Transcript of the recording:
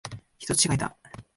人違いだ。